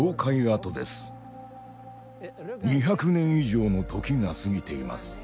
２００年以上の時が過ぎています。